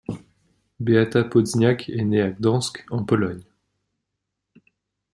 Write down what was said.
Beata Poźniak est né à Gdansk en Pologne.